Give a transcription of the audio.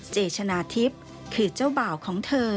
เจชนะทิพย์คือเจ้าบ่าวของเธอ